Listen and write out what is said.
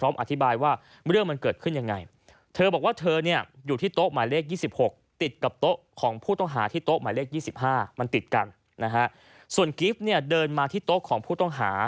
๒๕มันติดกันนะฮะส่วนกิฟต์เนี่ยเดินมาที่โต๊ะของผู้ต้องหา